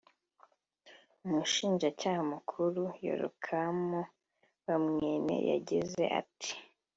umushinjacyaha mukuru Yorokamu Bamwiine yagize ati